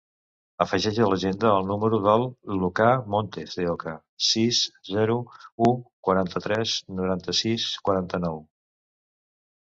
Afegeix a l'agenda el número del Lucà Montes De Oca: sis, zero, u, quaranta-tres, noranta-sis, quaranta-nou.